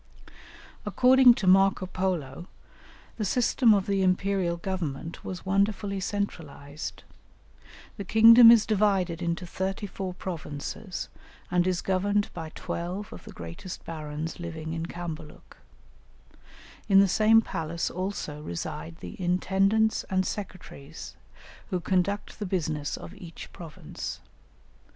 According to Marco Polo the system of the Imperial Government was wonderfully centralized. "The kingdom is divided into thirty four provinces, and is governed by twelve of the greatest barons living in Cambaluc; in the same palace also reside the intendants and secretaries, who conduct the business of each province.